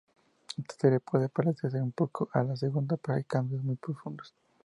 Esta serie puede parecerse un poco a la segunda, pero hay cambios muy profundos.